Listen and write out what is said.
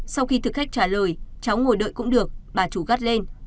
sau khi thức cách trả lời cháu ngồi đợi cũng được bà chủ gắt lên